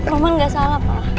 roman ga salah pak